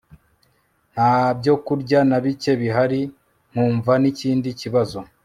ntabyo kurya nabike bihari nkumva nikindi kibazo